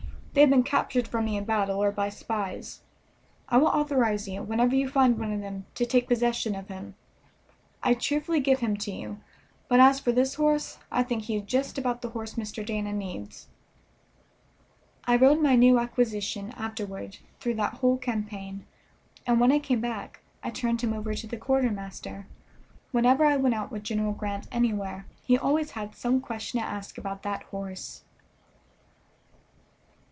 They have been captured from me in battle or by spies. I will authorize you, whenever you find one of them, to take possession of him. I cheerfully give him to you; but as for this horse, I think he is just about the horse Mr. Dana needs." I rode my new acquisition afterward through that whole campaign, and when I came away I turned him over to the quartermaster. Whenever I went out with General Grant anywhere he always had some question to ask about that horse.